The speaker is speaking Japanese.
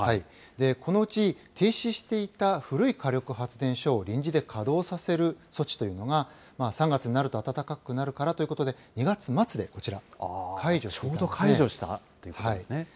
このうち停止していた古い火力発電所を臨時で稼働させる措置というのが、３月になると暖かくなるからということで、２月末でこちら、解除したんですね。